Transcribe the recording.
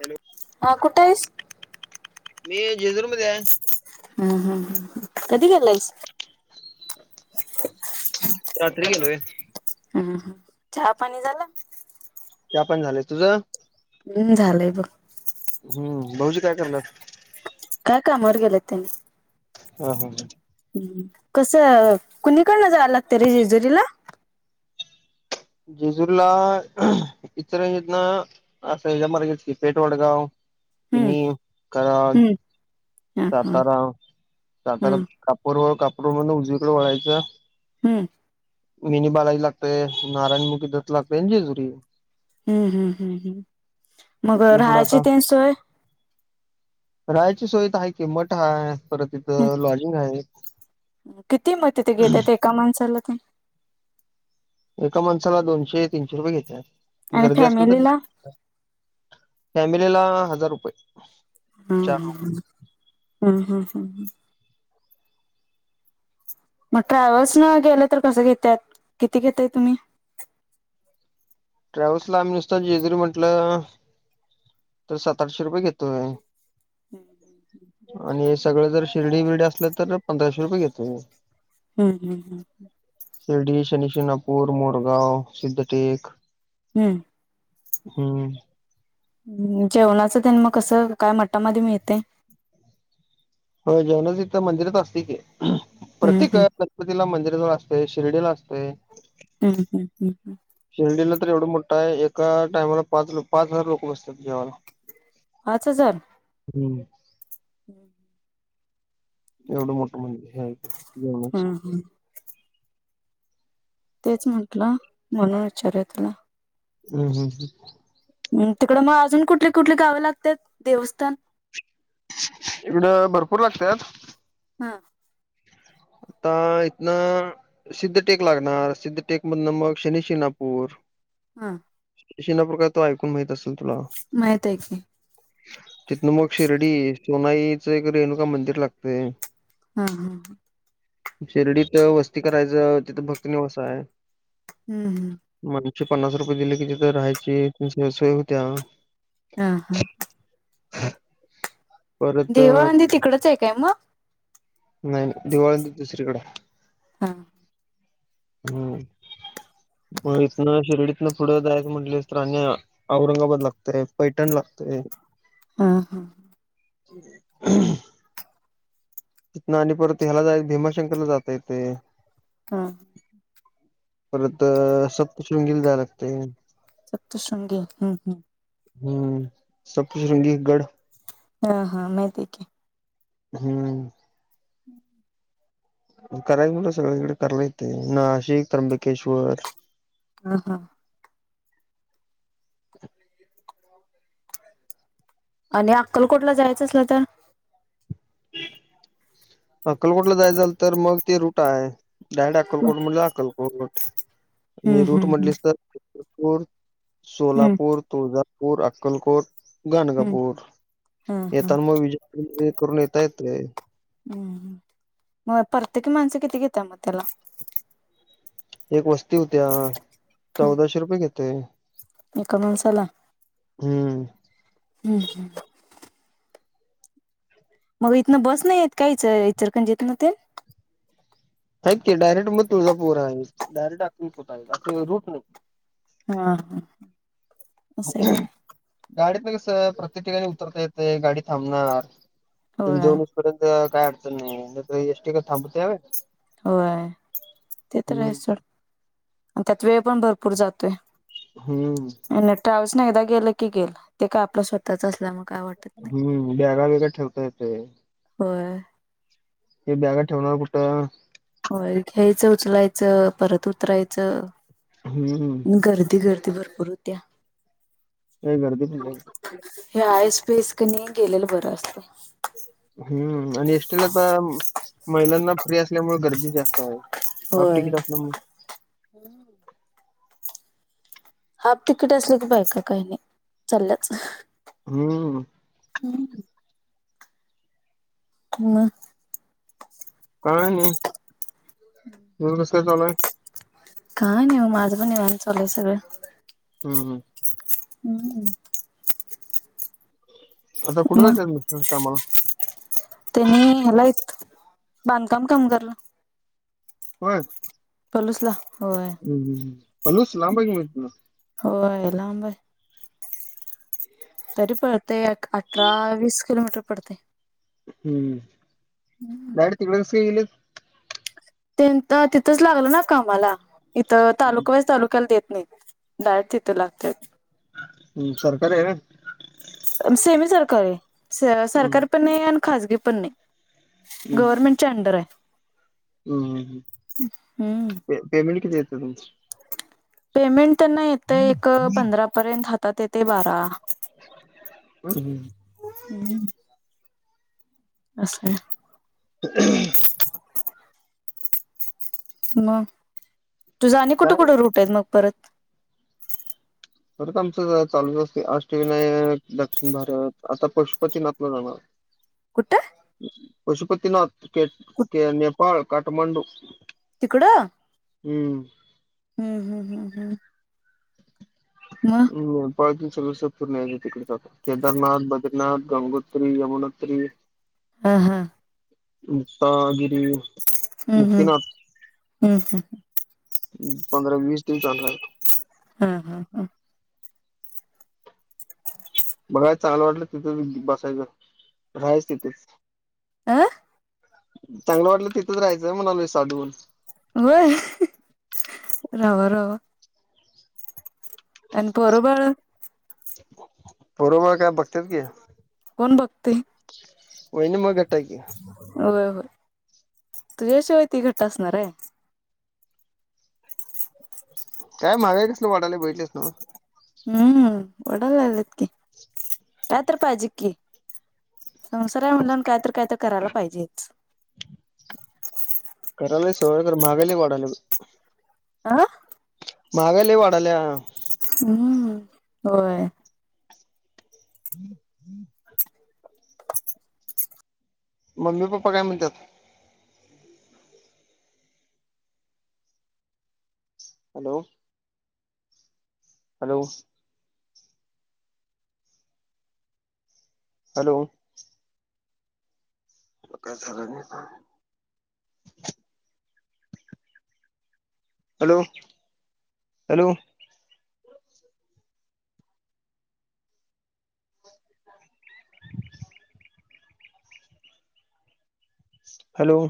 Hello हा कुठं yes. मी जेजूरमध्ये हाय. हम्म हम्म ह कधी गेलायस. रात्री गेलोय. हम हं चहा पाणी झालं. चहा पाणी झालंय, तुझं हम्म झालंय बघ. हम्म भाऊजी काय कराल्यात. काय कामावर गेल्यात त्यांनी. ह ह ह. कसं कुणीकडनं जाया लागत रे जेजुरीला. जेजुरीला इचलकरंजीतन अस या मार्गेच की पेठवडगाव. हम्म [unintelligible] कराड हम्म हा हा सातारा सातारा हम्म कापूरहोळ कापूरहोळ वरून उजवीकडे वळायचं हम्म. मिनी बालाजी लागतय नारायणमुखी दत्त लागतय आणि जेजुरी हम्म हम्म हम्म हम्म मगं तिथन पुढं राहायची आता तेन सोय राहायची सोय तर हाय की मठ हाय परत तिथ लॉजिंग आहे किती मग तिथे घेतात एका माणसाला ते एका माणसाला दोनशे, तीनशे रुपये घेत्यात आणि गर्दी असल तर फॅमिलीला जास्त फॅमिली ला हजार रुपये हम्म चार हम्म हम्म हम्म हम्म हम्म मग ट्रॅव्हल्स न गेलं तर कसं घेत्यात किती घेताय तुम्ही ट्रॅव्हल्स ला आम्ही नुसत जेजुरी म्हटलं तर सात आठशे रुपये घेतोय आणि सगळं जर शिर्डी बिर्डी असल तर पंधराशे रुपये घेतोय- हम्म हम्म हम्म हम्म शिर्डी शनी, शिंगणापूर, मोरगाव, सिद्धटेक हम्म. हम्म. हम्म जेवणाचं तेन मग कसं काय मठामध्ये मिळतंय हो जेवनाच इथं मंदिरात असतय की हम्म प्रत्येक हम्म गणपतीला मंदिर असतय शिर्डीला असतय हम्म हम्म हम्म हम्म एवढा मोठा आहे एका टाइमाला पाच लो पाच हजार लोक बसतात जेवायला पाच हजार? हम्म हम्म. [unintelligible] एवढं मोठं म्हणजेे हम्म हम्म तेच म्हटलं म्हणून विचारय तुला हम्म हम्म हम्म हम्म तिकडं मग अजून कुठली कुठली गावें लागतात देवस्थाने? इकडं भरपूर लागतात हा आता इथन सिद्धटेक लागणार सिद्ध टेक मधन मग शनी शिंगणापूर, हा. [inaudible] माहित आहे की तिथनं मग शिर्डी सोनाईचं एक रेणुका मंदिर लागतय हम्म हम्म हम्म शिर्डीत वस्ती करायचं तिथं भक्तनेवस आहे हम्म हम्म. माणशे पन्नास रुपये दिले कि तथ राहायची तीश सोय होत्या हा हा. परत देवाळंदी तिकडच आहे काय मगं? नाही दिवाळी तर दुसरीकडे हा हम्म. मग इथन शिर्डीतन पुढं जायचं म्हंटलं तर औरंगाबाद लागतय पैठण लाग ते. हा हा. तिथ आणि परत ह्याला जा भीमाशंकरला जाता येतय हा परत सप्तशृंगी ला जाय लागते. सप्तशृंगी हम्म हम्. हम्म सप्तशृंगी गड. हा हा माहिती की. हम्म. करायच म्हट सगळीकडे कराला येते नाशिक त्र्यंबकेश्वर ह हा. [unintelligible] आणि अक्कलकोटला जायचं असल तर? हम्. अक्कलकोटला जायचल तर मग ते रूट आहे, डायरेक्ट अक्कलकोट म्हणजे अक्कलकोट. हम्म आणि रूट हम्म म्हटले अस तरपूर, हम्म सोलापूर, तुळजा पूर, अक्कलकोट, हम्म हम्म गाणकापूर हा हा येताना मग विजय हे करून येता येते. हम्म मग परत्येकी माणसं किती घेतय मग त्याला? एक वस्ती होत्या हम्म चौदाशे रुपये घेते. एका माणसाला हम्म. हम हम. मग इथनं बस नाहीय काहीच चरखंजेतन ते? आहेत की डायरेक्ट मग तुळझा पोर आहे डायरेक्ट आ होत आहे रूट. हा हस. गाडीत ना कस प्रत्येक ठिकाणी उतरता येते गाडी थांबणार तुम्ही होय जाऊन येई पर्यंत काय अडच नाही यिक थांबते यावे. होय ते तर आहे सड त्यात वेळ पण भरपूर जातोय. हम्म. ट्राव्हल्स ना एकदा गेलं की, गेल ते काय आपलं स्वतःच असल्या मग हम्म बॅगा वेगा ठेवता येत. होय. हे बॅगा ठेवणार कुठं? हो घ्यायचं उचलायचं परत उतरायचं. हम्म गर्दी गर्दी भरपूर होत्या. काही गर्दी पण [unintelligible] हे आयस पेस कनी गेलेलं बरं असत. हम्म आणि एसटीला तर महिलांना फ्री असल्यामुळे गर्दी जास्त आहे. हाफ होय तिकीट असल्यामुळे. हाफ तिकीट असली की बाय का काही नाही चाल्याच. हम्म. ब. मग. काय नाहीस तुझं कस चालाय? काय नाही माझं पण ये निवांत चालाय सगळं. हम् हम्. हम्मम्. आता कुठे जायचे मग कामाला. त्यांनी ह्याला य बांधकाम कामगार ला. होय. पोलूसला. हम् ह् पोलूस लांब आहे इथंन. होय लांब आहे. तरी पडते अठरा वीस किलोमीटर पडते. हम्म. डायरेक्ट तिकडे कस काय गेली? तिथंच लागल ना कामाला इथं तालुकावाईज तालुक्याला देत ाड त त लागते हम् सरकार सेमी सरकारी हम्म सरकारी पण नाही आणि खजगी पण नाही हम्म गवरर्मेंटच्या अंडर आहे हम्म. हम्म पेमेंट किती देतं तुमच पेमेंट त्यांना येतं एक पंधरा पर्यंत हातात येते बारा हम हम् हम्म असं ह मग तुझा आणि कुठे काय कुठं रूट आहे मग परत खरत आमचं चालूच असते अष्टविनायक दक्षिण भारत आता पशुपती ना आपलं जाणार कुठ पशुपतीनाथ नेपाळ काठमांडू तिकड हम्म हम्म हम् हम्म हम्म मग हम् सर्व पूर्ण तिकडे जातात केदारनाथ बद्रीनाथ गंगोत्री यमुनोत्री आ हा पा गिरी हम्म हम्म हम्म हम् हम् पंधरा वीस दिवस चालणार हा हा हा बघा चाल वाटलं तिथं बसायचं राहायच तिथेच आह चांगलं वाटलं तिथंच राहायचंय म्हणाल वि साधवून होय रव रव आणि बरोबळ परोबा काय बघतात की कोन भक्ती होईन मग हाय की. होय होय तुझ्याशिवाय ती घट्ट असणार आहे काय मगा कसल वाटाले बहि हम्म डान लालेत की रात्र पाज की संसारा म्हणलं काय तर काय तर करायला पाहिजेच स महागाले वाढाले आह मागा ल वाढाल्या हम्म होय हम्म हम्म मम्मी पप्पा काय म्हणतात हॅलो हॅलो हॅलो ल काय झाला का हॅलो हॅलो हॅलो